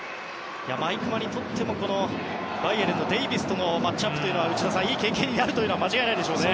毎熊にとってもバイエルンのデイビスとのマッチアップは内田さんいい経験になるというのは間違いないでしょうね。